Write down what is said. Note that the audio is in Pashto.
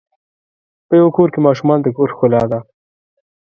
په یوه کور کې ماشومان د کور ښکلا ده.